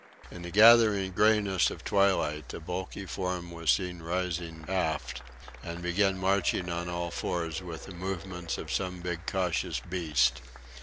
In the gathering greyness of twilight a bulky form was seen rising aft, and began marching on all fours with the movements of some big cautious beast.